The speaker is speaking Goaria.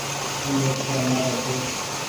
اي رڪسييآ مآرو ڇي